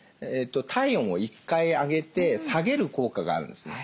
体温を１回上げて下げる効果があるんですね。